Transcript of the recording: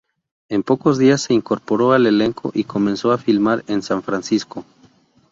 En pocos días, se incorporó al elenco y comenzó a filmar en San Francisco.